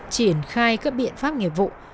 triển khai các biện pháp nghiệp vụ